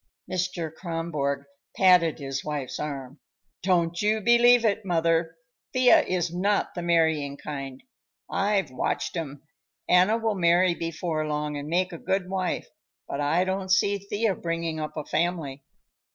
Mr. Kronborg patted his wife's arm. "Don't you believe it, mother. Thea is not the marrying kind. I've watched 'em. Anna will marry before long and make a good wife, but I don't see Thea bringing up a family.